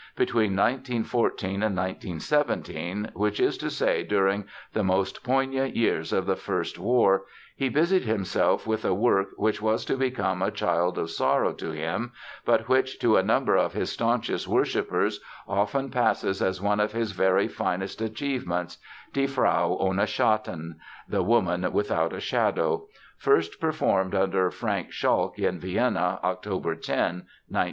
Between 1914 and 1917 (which is to say during the most poignant years of the First War) he busied himself with a work which was to become a child of sorrow to him but which to a number of his staunchest worshippers often passes as one of his very finest achievements—Die Frau ohne Schatten (The Woman Without a Shadow), first performed under Frank Schalk in Vienna, October 10, 1919.